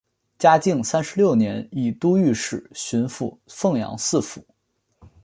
嘉靖三十六年以都御史巡抚凤阳四府。